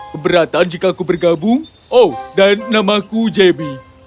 keberatan jika aku bergabung oh dan namaku jemmy